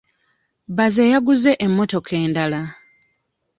Bbaze yaguze emmotoka endala.